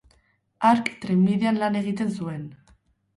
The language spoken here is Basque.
Hark trenbidean lan egiten zuen.